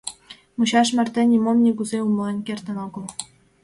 Мучаш марте нимом нигузе умылен кертын огыл.